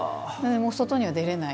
外には出れない。